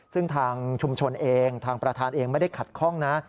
ซึ่งทางชุมชนเองทางประธานเองไม่ได้ขัดข้องนะ